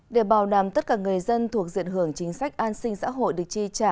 để bảo đảm tất cả người dân thuộc diện hưởng chính sách an sinh xã hội được chi trả